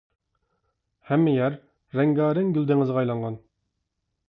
ھەممە يەر رەڭگارەڭ گۈل دېڭىزىغا ئايلانغان.